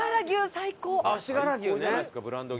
最高じゃないですかブランド牛。